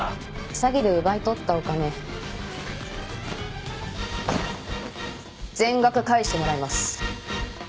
詐欺で奪い取ったお金全額返してもらいます。